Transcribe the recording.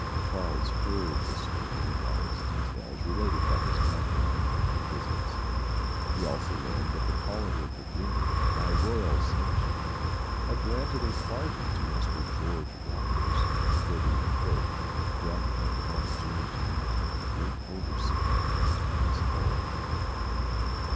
Charles heard the story in all its details related by his mother on one of her visits. He also learned that the colony of Virginia, by royal sanction, had granted a pardon to Mr. George Waters for the "death of one James Martin, late overseer to Thomas Hull."